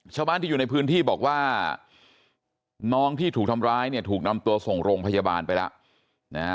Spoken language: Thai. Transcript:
ชาวบ้านที่อยู่ในพื้นที่บอกว่าน้องที่ถูกทำร้ายเนี่ยถูกนำตัวส่งโรงพยาบาลไปแล้วนะฮะ